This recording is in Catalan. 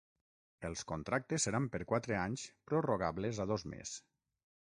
Els contractes seran per quatre anys prorrogables a dos més.